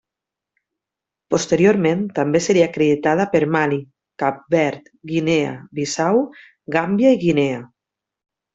Posteriorment també seria acreditada per Mali, Cap Verd, Guinea Bissau, Gàmbia i Guinea.